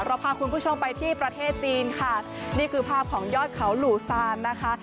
พาคุณผู้ชมไปที่ประเทศจีนค่ะนี่คือภาพของยอดเขาหลู่ซานนะคะ